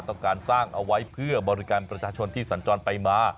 ต้องการสร้างเอาไว้เพื่อบริการประชาชนที่สัญจรไปมา